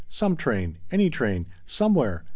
Some train. Any train. Somewhere.